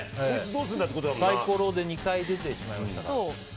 サイコロで２回出てしまいましたから。